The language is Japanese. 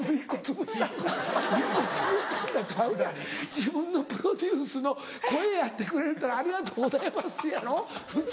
自分のプロデュースの声やってくれるっていったらありがとうございますやろ普通。